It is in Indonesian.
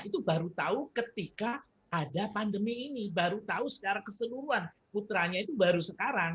itu baru tahu ketika ada pandemi ini baru tahu secara keseluruhan putranya itu baru sekarang